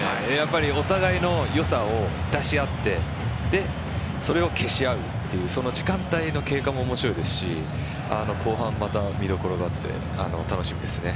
お互いの良さを出し合ってそれを消し合うという時間帯の経過も面白いですし後半、また見どころがあって楽しみですね。